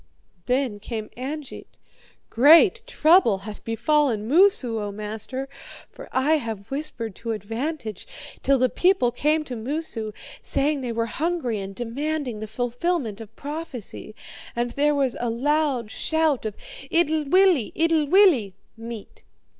"Then came Angeit: 'Great trouble hath befallen Moosu, O master, for I have whispered to advantage, till the people came to Moosu, saying they were hungry and demanding the fulfilment of prophecy. And there was a loud shout of "Itlwillie! Itlwillie!" (Meat.)